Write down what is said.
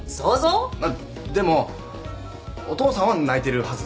まっでもお父さんは泣いてるはず。